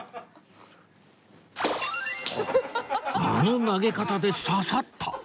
あの投げ方で刺さった！